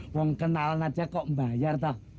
wong kenalan aja kok membayar toh